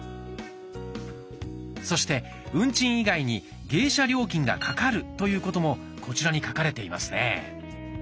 そして運賃以外に迎車料金がかかるということもこちらに書かれていますね。